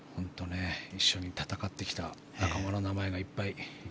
一緒に戦ってきた仲間の名前がいっぱいいっぱい。